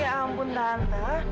ya ampun tante